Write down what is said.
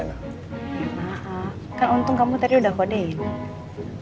ya maaf kan untung kamu tadi udah kodein